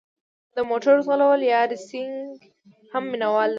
د موټرو ځغلول یا ریسینګ هم مینه وال لري.